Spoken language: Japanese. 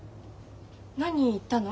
何言ったの？